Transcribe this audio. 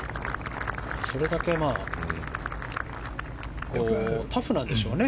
それだけタフなんでしょうね。